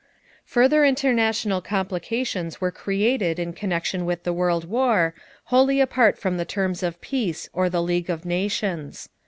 Further international complications were created in connection with the World War, wholly apart from the terms of peace or the League of Nations.